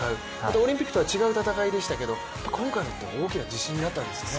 オリンピックとは違う戦いでしたけど、今回大きな自信になったわけですよね。